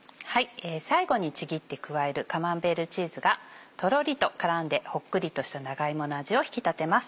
最後にちぎって加えるカマンベールチーズがとろりと絡んでほっくりとした長芋の味を引き立てます。